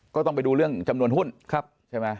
ก็ต้องไปดูเรื่องจำนวนหุ้นใช่ไหม